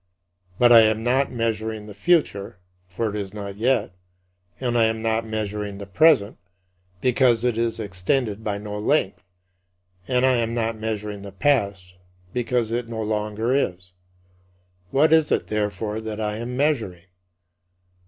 But I am not measuring the future, for it is not yet; and I am not measuring the present because it is extended by no length; and I am not measuring the past because it no longer is. What is it, therefore, that I am measuring?